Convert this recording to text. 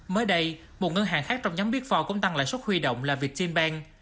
mới đây một ngân hàng khác trong nhóm biết phò cũng tăng lãi suất huy động là vietjinbank